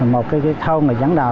một cái thôn giáng đào